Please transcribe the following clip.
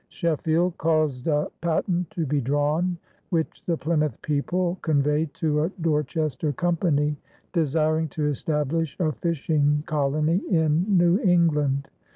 Sheffield caused a patent to be drawn, which the Plymouth people conveyed to a Dorchester company desiring to establish a fishing colony in New England.